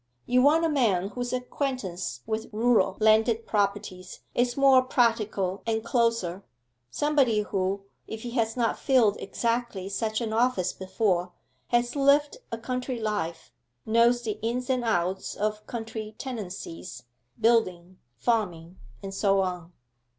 You want a man whose acquaintance with rural landed properties is more practical and closer somebody who, if he has not filled exactly such an office before, has lived a country life, knows the ins and outs of country tenancies, building, farming, and so on.